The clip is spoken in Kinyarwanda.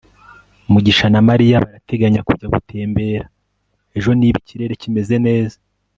mugisha na mariya barateganya kujya gutembera ejo niba ikirere kimeze neza